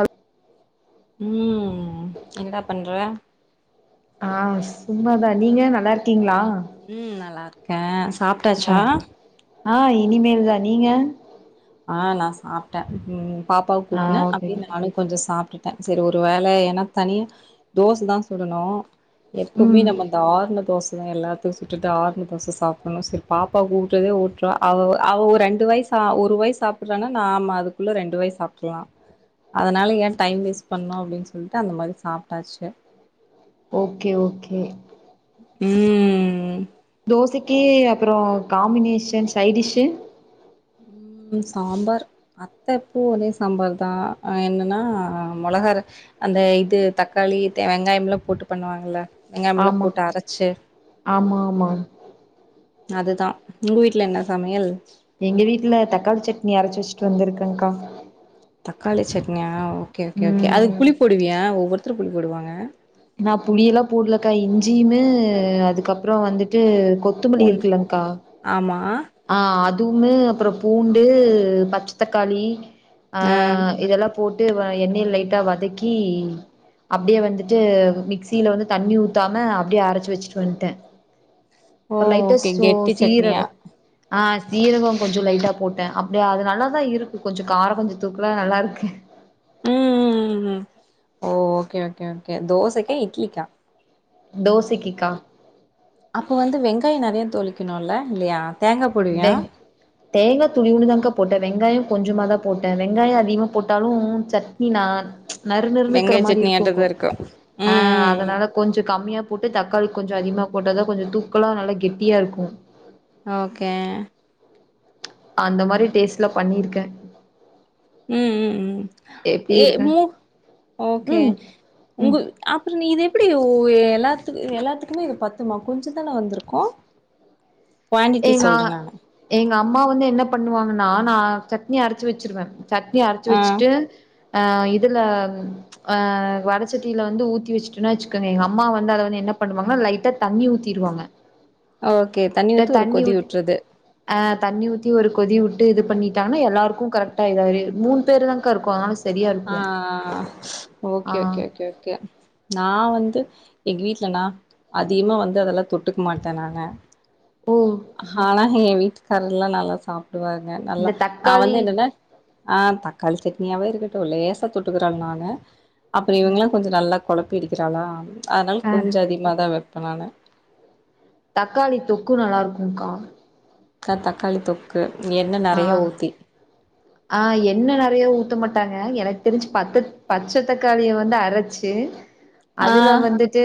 அல் ம் என்னடா பண்ற ஆ சும்மாதா நீங்க நல்லா இருக்கீங்ளா ம் நல்லா இருக்க ஆ சாப்ட்டாச்சா ஆ இனிமேல் தா நீங்க ஆ நா சாப்ட்ட ம் பாப்பாவுக்கு‌ ஆ ஊட்ன ஓகே அப்டே ஓகே. நானு கொஞ்சோ சாப்ட்டுட்ட சரி ஒரு வேல ஏனா தனியா தோச தா சுடணு எப்போவுமே ம் நம்மன் இந்த ஆறுண தோசயா எல்லாத்தை சுட்டுட்டு ஆறுண தோச சாப்ட்டணு செரி பாப்பாவுக்கு ஊட்டுறதே ஊட் அவ அவ ரெண்டு வாய் ச ஒரு வாய் சாப்ட்றானா நாம அதுக்குள்ள ரெண்டு வாய் சாப்ட்ரலா அதனால ஏ டைம் வேஸ்ட் பண்ணு அப்டின் சொல்ட்டு அந்த மாரி சாப்ட்டாச்சு ஓகே ஓகே ம் தோசைக்கு அப்பறோ காம்பினேஷன் சைடிஷ்ஷு ம் சாம்பார் அத்தப்பூ ஒரே சாம்பார் தா ஆனா என்னன்னா மொளகா அர அந்த இது தக்காளி தே வெங்காயம்லா போட்டு பண்ணுவாங்கல்ல வெங்காயம்லா ஆமா போட்டு அரச்சு ஆமா ஆமா அதுதா உங்க வீட்ல என்ன சமையல் எங்க வீட்ல தக்காளி சட்னி அரச்சு வச்சுட்டு வந்திருக்கங்கா தக்காளி சட்னியா ஓகே ஓகே ஓகே அதுக் ம் புளி போடுவியா ஒவ்வொருத்தர் புளி போடுவாங்க நா புளி எல்லா போடலக்கா இஞ்சியுமே அதுக்கப்புறோ வந்துட்டு கொத் கொத்தமல்லி பூன் இருக்குலங்க்கா ஆமா ஆ அதுமே அப்புறம் பூண்டு பச்ச தக்காளி அ ஆ இதெல்லாம் போட்டு எண்ணெய்ல லைட்டா வதக்கி அப்படியே வந்துட்டு மிக்சியில வந்து தண்ணி ஊத்தாம அப்படியே அரைச்சு வச்சுட்டு வந்துட்டேன் ஓ அப்புற லைட்டா ஓகே சோ கெட்டி சட்னியா சீரகம் ஆ சீரகம் கொஞ்ச லைட்டா போட்டேன் அப்படியா அது நல்லாதான் இருக்கு கொஞ்ச காரம் கொஞ்ச தூக்கல நல்லா இருக்கு ம் ம் ம் ம் ஒ ஓ ஓகே ஓகே ஓகே தோசைக்கா இட்லிக்கா தோசைக்கிக்கா அப்போ வந்து வெங்காயம் நிறைய தோழிக்கணும்லா இல்லையா தேங்கா போடுவியா வெங் தேங்கா துளிவுன்னு தானக்கா போட்டேன் வெங்காயம் கொஞ்சமாதான் போட்டேன் வெங்காயம் அதிகமா போட்டாலும் சட்னி நா நறுநறுன்னு இக்கிர வெங்காய மாறி சட்னியாட்டதா இருக்கும்கா இருக்கு ஆ ம் ம் ம் அதனால கொஞ்சம் கம்மியா போட்டு தக்காளி கொஞ்சம் அதிகமா போட்டா தான் கொஞ்சம் தூக்கலா நல்லா கெட்டியா இருக்கும் ஓகே அந்த மாறி டேஸ்ட்ல பண்ணிருக்கேன் ம் ம் ம் எப்டி ஏ இருக்கு மூ ஓகே ம் ம் உங்கு அப்புறம் நீ இது எப்படி ஓ எல்லாத்துக்கு எல்லாத்துக்குமே இது பத்துமா கொஞ்சம் தானே வந்துருக்கும் எங்க எங்க அம்மா வந்து என்ன பண்ணுவாங்கன்னா நான் சட்னி அரைச்சு வச்சிருவேன் சட்னி அரைச்சு ஆ வச்சுட்டு அ இதுல ஆ வட சட்டியில வந்து ஊத்தி வச்சுட்டுன்னா வச்சுக்கோங்க எங்க அம்மா வந்து அதை வந்து என்ன பண்ணுவாங்கன்னா லைட்டா தண்ணி ஊத்திருவாங்க ஓகே தண்ணி லைட்டா ஊத்தி ஒரு கொதி ஊத்தி விட்டுறது ஆ தண்ணி ஊத்தி ஒரு கொதி விட்டு இது பண்ணிட்டாங்கன்னா எல்லாருக்கும் கரெக்டா இதாயிரும் மூணு பேரு தான்கா இருக்கொம் ஆ ஆ ஓகே ஓகே ஓகே ஓகே நான் வந்து எங்க வீட்டு்லனா அதிகமா வந்து அதெல்லாம் தொட்டுக்க மாட்டேன் நாங்க ஓ ஆனா ஏ வீட்டுக்காரல்லாம் நல்லா சாப்பிடுவாங்க நல்லா இந்த நான் தக்காளி வந்து என்னன்ன ஆ தக்காளி சட்னியாவே இருக்கட்டும் லேசா தொட்டுக்கிறா ஆள் நானு அப்புறம் இவங்களாம் கொஞ்சம் நல்லா குழப்பிஅடிக்கிற ஆளா அதனால கொஞ்சம் அதிகமாக தான் வைப்பேன் நானு தக்காளி தொக்கு நல்லா இருக்கும்கா கா தக்காளி தொக்கு என்ன ஆ நிறையா ஊத்தி ஆ என்ன நெறைய ஊத்த மாட்டாங்க எனக்கு தெரிஞ்சு பத்து பச்ச தக்காளிய வந்து அரைச்சு ஆ அதுல வந்துட்டு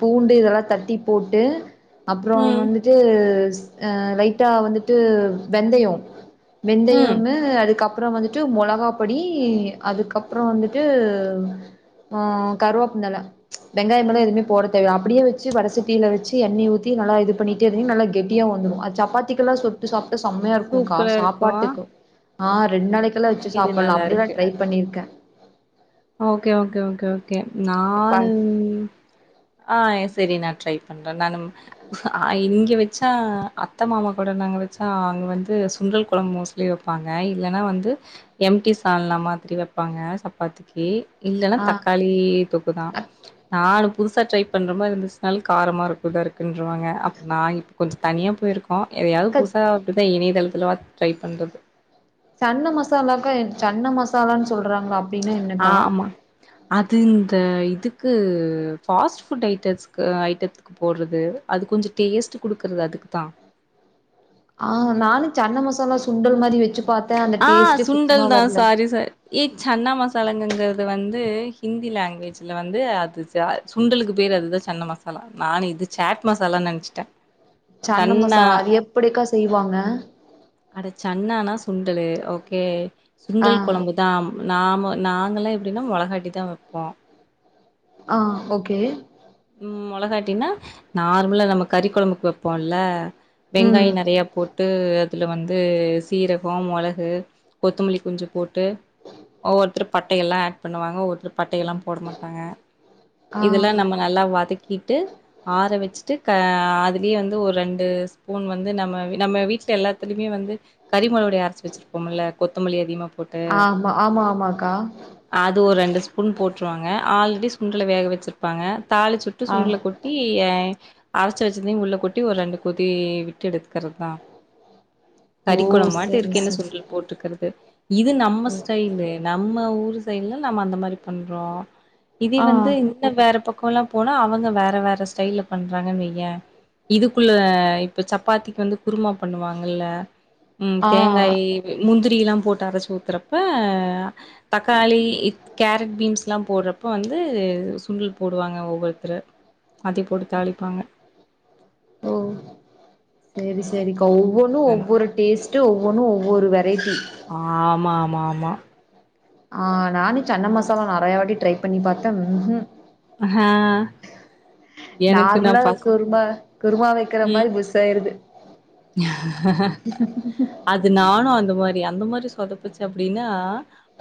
பூண்டு இதெல்லாம் தட்டி போட்டு அப்புறம் ம் வந்துட் இது லைட்டா வந்துட்டு வெந்தயம் ம் வெந்தயமு அதுக்கு அப் அப்புறம் வந்துட்டு மொளகா பொடி அதுக்கப்புறம் வந்துட்டு ம் கருவப் நல வெங்காயம்லாம் எதுமே போட தேவ இல்ல அப்படியே வச்சு வட சட்டில வச்சு எண்ணெய்ய ஊத்தி நல்ல இது பண்ணிட்டு திடிர்ன்னு நல்லா கெட்டியா வந்துரும் சப்பாத்திக்கு லாம் சுட்டு சாப்ட்டா செமையா இருக்கும் கா சூப்பரா இருக்கு சாப்பாட்டுக்கும் ஆ ரெண்டு நாளைக்குலாம் வெச்சு இது சாப்பிடலாம் நல்லா அப்படி தான் இருக்கு ட்ரை பண்ணிருக்கேன் ஓகே ஓகே ஓகே ஓகே ப நானு ஆ எ சேரி நான் ட்ரை பண்றேன் நானும் ஆ இங்க வெச்சா அத்த மாமா கூட நாங்க வச்சா அங்க வந்து சுண்டல் கொழம்பு மோசம் வப்பாங்க இல்லன்னா வந்து எம்டி சால்னா மாதிரி வப்பாங்க சப்பாத்திக்கு பாத்திக்கு இல்லன்னா ஆ தக்காளி தொக்குதான் நானு புதுசா ட்ரை பண்ற மாதிரி இருந்துச்சுனாலு காரமா இருக்குதா இருக்குன்றுவாங்க அப்ப நா இப்ப கொஞ்ச தனியா போய்ருக் கோ எதையாவ்து அக்கா புதுசா அப்டிதா இணையதளத்துல பாத்து ட்ரை பண்றது சன்ன மசாலாக்கு சன்னா மசாலான்னு சொல்றாங்களா அப் ஆ ஆமா அது இந்த இதுக்கு ஃபாஸ்ட் ஃபுட் ஐட்டஸ்க்கு ஆ ஐட்டத்து க்கு போட்றது அது கொஞ்ச டேஸ்ட் குடுக்குறது அதுக்கு தா ஆ நானு சன்ன மசாலா சுண்டல் மாரி வச்சி ஆ சுண்டல் தா சாரி சா ஏ சன்னா மசாலாங்கங்கறது வந்து ஹிந்தி லாங்குவேஜில வந்து அது சுண்டலுக்கு பேரு அதுதா சன்ன மசாலா நானு இது சேட் மசாலானு நனச்சுட்டே சன்ன மசாலா அது எப்டிக்கா செய்வாங்க அட சன்னானா சுண்டலு ஓகே ஆ சுண்டல் கொழம்பு தாம் நாம நாங்களா எப்டின்னா மொளகாட்டி தா வப்போ ஆ ஓகே ம் மெளகாட்டினா நார்மலா நம்ம கறி கொழம்புக்கு வப்போம்ல வெங்காய ம் நறையா போட் போட்டு அதுல வந்து சீரகோ மொளகு கொத்தமல்லி கொஞ்சு போட்டு ஒவ்வொருத்தரு பட்டைய எல்லா ஆட் பண்ணுவாங்க ஒவ்வொருத்தரு பட்டைய எல்லா போட மாட்டாங்க இதெல்லா ஆ நம்ம நல்லா வதக்கிட்டு ஆற வச்சுட்டு க அதுலியே வந்து ஒரு ரெண்டு ஸ்பூன் வந்து நம்ம நம்ம வீட்டுல எல்லாத்துலயுமே வந்து கறிமொலபுடி அரச்சு வச்சிருப்போம்ல்ல கொத்தமல்லி அதிகமா போட்டு ஆமா ஆமா ஆமாக்கா அது ஒரு ரெண்டு ஸ்பூன் போட்டுருவாங்க ஆல்ரெடி சுண்டல வேக வச்சிருப்பாங்க தாலிச்சுட்டு ஆ சுண்டல கொட் டி அரைச்சு வச்சிருந்தையு உள்ள கொட்டி ஒரு ரெண்டு கொதி விட்டு எடுத்துக்கறது தா ஓ கறிக்கொழம்பாட்ட சரி இருக்கு இந்த சரி சுண்டல் போட்டுருக்கறது இது நம்ம ம் ஸ்டைலு நம்ம ஊரு சைடுல நம்ம அந்த மாரி பண்றோ இதே ஆ வந்து இன்னு வேற பக்கோலா போனா அவுங்க வேற வேற ஸ்டைல்ல பண்றாங்கன்னு வையே இதுக்குள்ள இப்ப சப்பாத்திக்கு வந்து குருமா பண்ணுவாங்கல்ல ம் ஆ தேங்காயி முந்திரிலா போட்டு அரச்சி ஊத்துறப்ப தக்காளி கேரட் பீன்ஸ்ஸுலா போட்றப்ப வந்து சுண்டல் போடுவாங்க ஒவ்வொருத்தரு அதே போட்டு தாளிப்பாங்க ஓ சேரி சேரிக்கா ஒவ்வொன்னு ஒவ்வொரு டேஸ்ட்டு ஒவ்வொன்னு ஒவ்வொரு வெரைட்டி ஆமா ஆமா ஆமா ஆ நானு சன்ன மசாலா நறையா வாட்டி ட்ரை பண்ணி பாத்த ம்ஹும் ஆ எனக்கு நா நார்மலா ஃபஸ் குருமா குருமா வைக்கிற ம் மாரி புஸ் செய்யறது அது நானு அந்த மாரி அந்த மாரி சொதப்புச்சு அப்டின்னா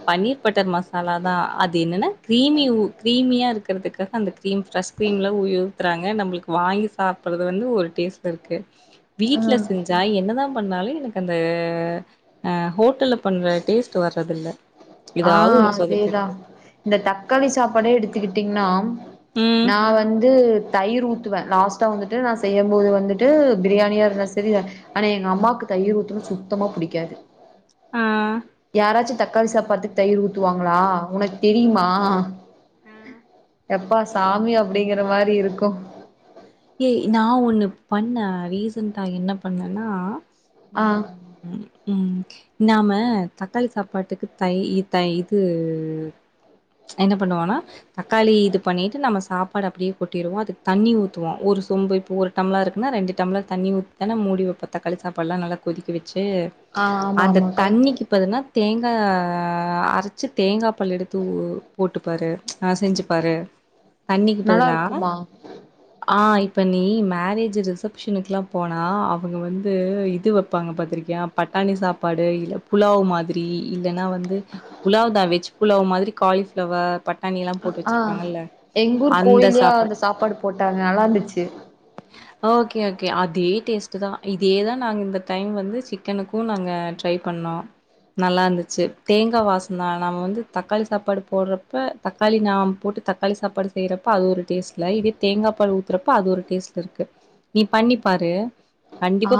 பன்னீர் பட்டர் மசாலா தா அது என்னன்னா கிரீமி ஊ கிரீமியா இருக்குறதுக்காக அந்த கிரீம் ஃபெரெஷ் கரீம்லா உய் உத்துறாங்க நம்மளுக்கு வாங்கி சாப்ட்றது வந்து ஒரு டேஸ்ட்லருக்கு வீட்டுல ம் செஞ்சா என்னதா பண்ணாலு எனக்கு அந்த ஆ ஹோட்டல்ல பண்ற டேஸ்ட் வர்றதுல்ல ஆ அதேதா இந்த தக்காளி சாப்பாடே எடுத்துக்கிட்டீங்கன்னா ம் நா வந்து தயிர் ஊத்துவே லாஸ்ட்டா வந்துட்டு நா செய்யபோது வந்துட்டு ப்ரியாணியா இருந்தா செரி ஆனா எங்க அம்மாக்கு தயிர் ஊத்துனா சுத்தமா புடிக்காது ஆ யாராச்சும் தக்காளி சாப்பற்றத்துக்கு தயிரு ஊத்துவாங்களா உனக்கு தெரியுமா எப்பா சாமி அப்புடிங்கற மாறி இருக்கும் ஏய் நா ஒன்னு பண்ணே ரீசண்டட்டா என்ன பண்ணேன்னா ஆ உம் ம் உம் நாம்ம தக்காளி சாப்பாட்டுக்கு தை தை இது என்ன பண்ணுவோன்னா தக்காளி இது பண்ணிட்டு நம்ம சாப்பாடு அப்பிடியே கொட்டிருவோ அதுக்கு தண்ணி ஊத் துவோ ஒரு சொம்பு இப்ப ஒருடம்ளர் இருக்குன்னா ரெண்டு டம்ளர் தண்ணி ஊத்திதான முடிவப்போ தக்காளி சாப்பாடுல்லா நல்லா கொதிக்க வச்சு ஆ ஆமா அந்த ஆமாக்கா தண்ணிக்கு இப்பதுன்னா தேங்கா அரைச்சு தேங்கா பல் எடுத்து போட்டுப்பாரு அ செஞ்சுப்பாரு [inaudible] தண்ணிக்கு நல்லா பதுலா இருக்குமா ஆ இப்ப நீ மேரேஜ் ரிசப்ஷனுக்லா போனா அவங்க வந்து இது வெப்பாங்க பாத்துருக்கியா பட்டாணி சாப்பாடு இல்ல புலாவு மாதி ரி இல்லன்னா வந்து புலாவ் தா வெஜ் புலாவ் மாதிரி காலிஃபிளவர் பட் ஆ எங்கூர் கோயிலையு அந்த சாப்பாடு போட்டாங்க நல்லா இருந்துச்சு ஓக்கே ஓக்கே அதே டேஸ்ட் தா இதேதா நாங்க இந்த டைம் வந்து சிக் கனுக்கு நாங்க ட்ரை பண்ணோ நல்லா இருந்துச்சு தேங்கா வாசோ தா நாம்ப வந்து தக்காளி சாப்பாடு போட்றப்ப தக்காளி நா போட்டு தக்காளி சாப்பாடு செய்யறப்ப அது ஒரு டேஸ்ட்ல இதே தேங்கா பால் ஊத் தறப்போ அது ஒரு டேஸ்ட்ல இருக்கு நீ பண்ணிப்பாரு ஆ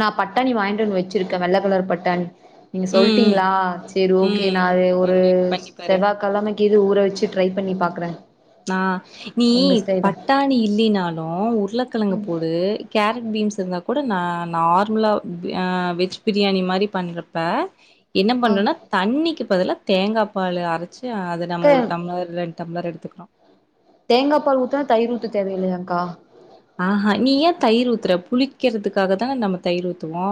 நா பட்டாணி வாங்கிட்டு வந்து வச்சிருக்கே வெள்ள கலர் பட்டாணி நீங்க ம், ம், சொல்ட்டீங்ளா சேரி ஓக்கே நா ம். அத ஒரு பண்ணி பண்ணி பாரு. செவ்வா கெழமைக் கு இது ஊற வச்சு ட்ரை பண்ணி பாக்குறே நா நீ உங்க ஸ்டைல பட்டாணி இல்லினாலு உருளக்கெழங்கு ம் போடு கேரட் பீன்ஸ் இருந்தா கூட நா நார்மலா அ வெஜ் பிரியாணி மாறி பண்ணறப்ப என்ன ஆ பண்றம்னா தண்ணிக்கு பதுலா தேங்கா பால் அரைச்சு அது நம்ம அக்கா ஒரு டம்ளர் ரெண் டம்ளர் எடுத்துக்கறோ தேங்கா பால் ஊத்துனா தயிர் ஊத்த தேவையில்லயாக்கா அ ஆ நீ ஏன் தயிர் ஊத்துற புளிக்கிறதுக்காக தான நம்ம தயிர் ஊத்துவோ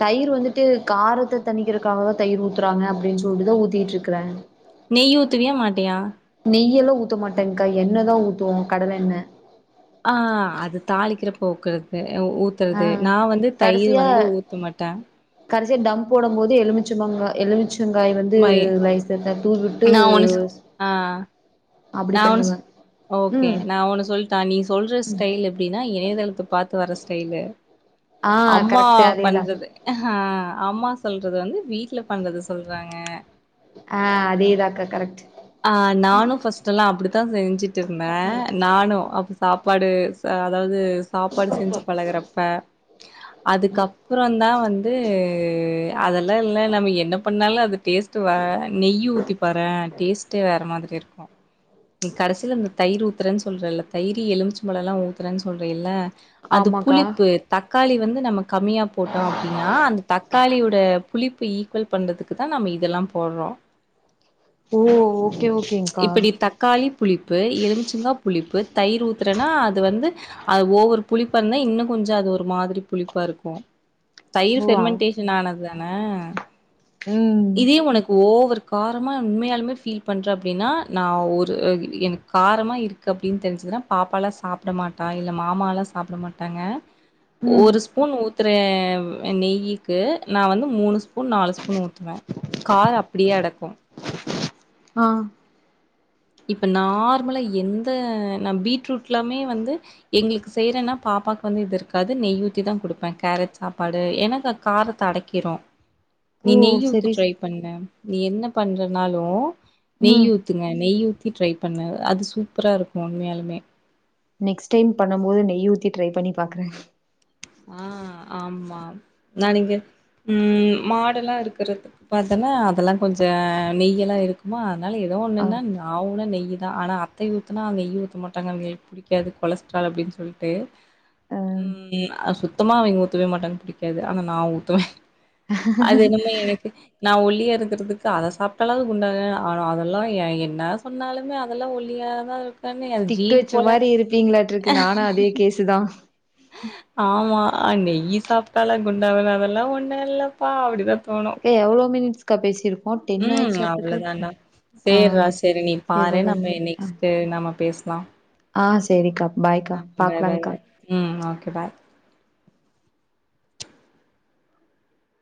தயிர் வந்துட்டு காரத்த தணிக்கிறக்காகதா தயிர் ஊத்துறாங்க அப்டின்னு சொல்லிட்டுதா ஊத்திட்டு இருக்குறே நெய் ஊத்துவியா மாட்டியா நெய்யல்லா ஊத்த மாட்டேங்க்கா எண்ணெ தா ஊத்துவோ கடலெண்ண ஆ அது தாளிக்கிறப்போ ஊக்கறது அ ஊத் ஆ தறது நா வந்து தயிர் கடசியா வந்து ஊத்த மாட்டே கடசியா தம் போடும் போது எலுமிச்சு மாங்கா எலுமிச் சங்காய் வந்து மை [unintelligible] தூவிட்டு நா ஒன்னு சொ ஆ நா ஒன்னு சொ ஓக்கே நா ஒன்னு சொல்ட்டா நீ சொல்ற ம் ஸ்டைல் எப்டின்னா இணையதளத்த பாத்து வர ஸ்டைலு ஆ அம்மா கரெக்ட் அதேதா பண்றது ஹா அம்மா சொல்றது வந்து வீட்ல பண்றது சொல்றாங்க ஆ அதே தாங்க்கா கரெக்ட் ஆ நானும் ஃபர்ஸ்ட் எல்லா அப்பிடித்தா செஞ்சுட்டு இருந்தே நானும் சாப்பாடு அதாவது சாப்பாடு செஞ்சு பழகுறப்ப அதுக்கப்றோ தா வந்து அதெல்லா இல்ல நம்ம என்ன பண்ணாலு அது டேஸ்ட் வ நெய்யி ஊத்திப் பாறே டேஸ்ட்டே வேற மாதிரி இருக்கு நீ கடைசில இந்த தயிர் ஊத்துறேன்னு சொல்றேல்ல தயி எலுமிச்சு பழோல்லா ஊத்துறேன்னு சொல்றேயில்ல அது ஆமாக்கா புளிப்பு தக்காளி வந்து நம்ம கம்மியா போட்டோ அப்டின்னா அந்த தக்காளியோட புளிப்பு ஈக்குவல் பண்றதுக்கு தா நம்ம இதெல்லா போட்றோ ஓ ஒ இப்பிடி தக்காளி புளிப்பு எலுமிச்சங்கா புளிப்பு தயிர் ஊத்துறேன்னா அது வந்து அது ஓவ்வரு புளிப்பா இருந்தா இன்னு கொஞ்ச அது ஒரு மாதிரி புளிப்பா இருக்கு தயிர் ஓ ஆ பெர்மெண்டடேஷன் ஆனது தானே ம் இதே உனக்கு ஓவரு காரமா உண்மையாலுமே ஃபீல் பண்ணுறே அப்டின்னா நா ஒரு எ எனக்கு காரமாக இருக்கு அப்டின்னு தெரிஞ்சுதுன்னா பாப்பாலா சாப்பிட மாட்டா இல்ல மாமாலா சாப்பிட மாட்டாங்க ஆ ஒரு ஸ்பூன் ஊத்துற நெய்யிக்கு நா வந்து மூணுஸ் பூன் நாலு ஸ்பூன் ஊத்துவே கார் அப்டியே அடக்கு ஆ இப்ப நார்மலா எந்த நா பீட்ரூட் எல்லாமே வந்து எங்களுக்கு செய்யறன்னா பாப்பாவுக்கு வந்து இது இருக்காது நெய்யூத்தி தா குடுப்பே கேரட் சாப்பாடு எனக்கு அ காரத்த அடைக்கிரு நீ ஓ நெய்யூத்த செரி ட்ரை பண்ணு நீ என்ன பண்றனாலு நெய் ம் ஊத்துங்க நெய்ய ஊ த்தி ட்ரை பண்ணு அது சூப்பரா இருக்கு உண்மையாலுமே நெக்ஸ்ட் டைம் பணணு போது நெய் ஊத்தி ட்ரை பண்ணி பாக்குறே ஆ ஆமா நானிங்க ம் மாடெல்லா இருக்கிறதுக்கு பாத்தன்னா அதெல்லா கொஞ்ச நெய்யெலா இருக்கு ஆமா அதனால எதோ ஒண்ணுன்னா ஆ ஊன்னா நெய்யி தா ஆனா அத்தை ஊத்துனா நெய்யி ஊத்த மாட்டாங்க அங்களுக்கு புடிக்காது கொலஸ்ட்ரால் அப்டின்னு சொல்லிட்டு ஆ ம் சுத்தமா அவிங்க ஊத்தவே மாட்டான்னு புடிக்காது ஆனா நா ஊத்துவே அது என்னமோ எனக்கு நா ஒல்லியா இருக்கிறதுக்கு அத சாப்பிட்டாலாவது குண்டா ஆ ஆனா அதெல்லா எ என்ன சொன்னாலுமே அ தெல்லா ஒல்லியா தா இருக்கனு அ ஸ்டிக் ஜீனு வச்ச போல ச்சிதா ஆமா நெய்யி சாப்பிட்டால குண்டாவல அதெல்லா ஒண்ணு இல்லப்பா அப்டிதா தோணு கா எவ்ளோ மினிடஸ்க்கா பேசியிருக்கோ டென் ஆயிருச்டாருக்கு சேரா செரி நீ பாரு நம்ம ஆ நெக்ஸ்ட் நம்ம பேசலா ஆ சேரிக்கா பாய்க்கா ஆ பாய் பாய் பாக்கலாங்க்கா பாய் ம் ஓகே பாய்